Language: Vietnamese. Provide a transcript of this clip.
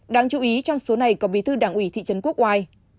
đáng chú ý trong số này có bí thư đảng ủy thị trấn quốc oai